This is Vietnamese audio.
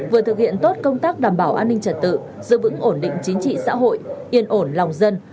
vừa thực hiện tốt công tác đảm bảo an ninh trật tự giữ vững ổn định chính trị xã hội yên ổn lòng dân